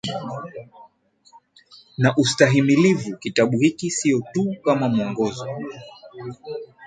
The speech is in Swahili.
na ustahimilivu Kitabu hiki sio tu kama mwongozo